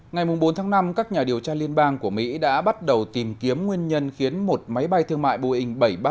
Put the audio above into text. ngày bốn tháng năm các nhà điều tra liên bang của mỹ đã bắt đầu tìm kiếm nguyên nhân khiến một máy bay thương mại boeing bảy trăm ba mươi